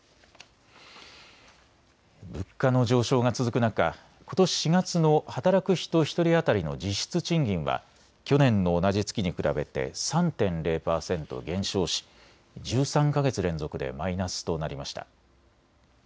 物価の上昇が続く中、ことし４月の働く人１人当たりの実質賃金は去年の同じ月に比べて３．０％減少し１３か月連続でマイナスとなりました。